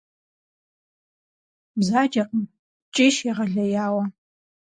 Бзаджэкъым, ткӀийщ егъэлеяуэ.